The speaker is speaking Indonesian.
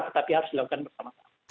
tetapi harus dilakukan bersama sama